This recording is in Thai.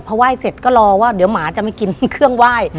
ไหว้เสร็จก็รอว่าเดี๋ยวหมาจะมากินเครื่องไหว้